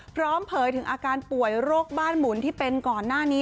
เผยถึงอาการป่วยโรคบ้านหมุนที่เป็นก่อนหน้านี้